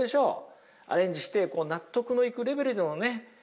アレンジして納得のいくレベルでのね